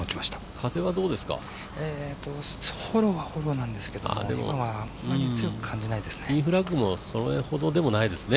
風はフォローなんですけど、今はあまり強く感じないですね。